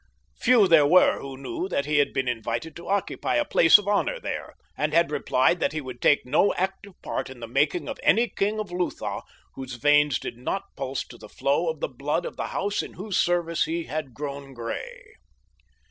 Few there were who knew that he had been invited to occupy a place of honor there, and had replied that he would take no active part in the making of any king in Lutha whose veins did not pulse to the flow of the blood of the house in whose service he had grown gray.